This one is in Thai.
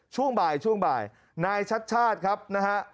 ช่วงบ่ายนายทรัฐชาติครับนะฮะ